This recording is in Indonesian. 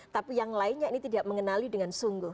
tapi yang lainnya ini tidak mengenali dengan sungguh